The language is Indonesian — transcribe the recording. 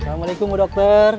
assalamualaikum bu dokter